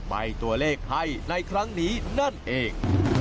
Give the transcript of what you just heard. ใบตัวเลขให้ในครั้งนี้นั่นเอง